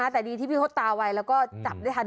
แต่ดีที่พี่เขาตาไวแล้วก็จับได้ทัน